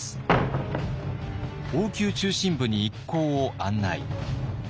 王宮中心部に一行を案内。